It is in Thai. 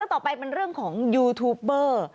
ต่อไปเป็นเรื่องของยูทูปเบอร์